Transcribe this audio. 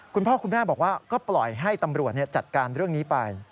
คุณพ่อคุณแม่บอกว่าก็ปล่อยให้ตำรวจจัดการเรื่องนี้ไป